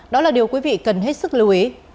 đó là điều quý vị cần hết sức lưu ý